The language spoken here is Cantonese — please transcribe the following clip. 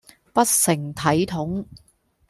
不成體統